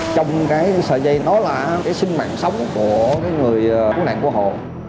trong cái sợi dây nó là cái sinh mạng sống của cái người cứu nạn của hộ